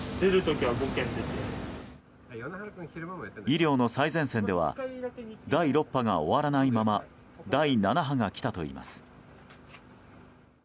医療の最前線では第６波が終わらないまま第７波が来たといいます。